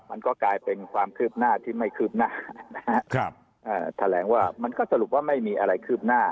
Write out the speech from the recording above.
มันก็กลายเป็นความคืบหน้าที่ไม่คืบหน้านะฮะครับอ่าแถลงว่ามันก็สรุปว่าไม่มีอะไรคืบหน้า